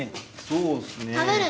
そうですね。